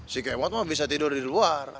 si kemot mah bisa tidur di luar